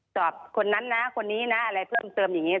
คนนั้นนะคนนี้นะอะไรเพิ่มเติมอย่างนี้